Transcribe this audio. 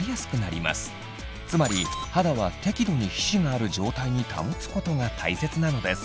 つまり肌は適度に皮脂がある状態に保つことが大切なのです。